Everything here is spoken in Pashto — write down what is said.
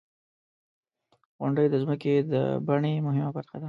• غونډۍ د ځمکې د بڼې مهمه برخه ده.